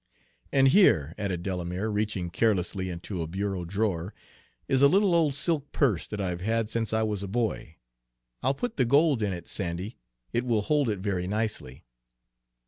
"And here," added Delamere, reaching carelessly into a bureau drawer, "is a little old silk purse that I've had since I was a boy. I'll put the gold in it, Sandy; it will hold it very nicely."